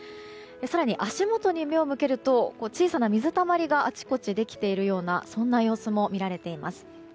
更に足元に目を向けると小さな水たまりがあちこちできているような様子も見られています。